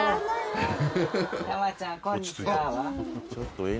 たまちゃん「こんにちは」は？